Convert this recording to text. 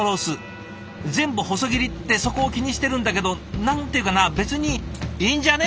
全部細切りってそこを気にしてるんだけど何て言うかな別にいいんじゃね？